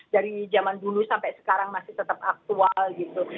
dari zaman dulu sampai sekarang masih tetap aktual gitu